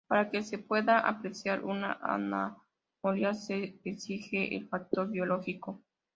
Para que se pueda apreciar una anomalía se exige el factor biológico.